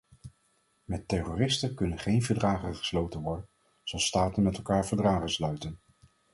Met terroristen kunnen geen verdragen gesloten worden zoals staten met elkaar verdragen sluiten.